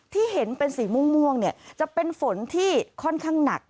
ที่เห็นเป็นสีม่วงจะเป็นฝนที่ค่อนข้างหนัก